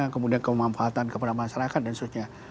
kemudian kemanfaatan kepada masyarakat dan sebagainya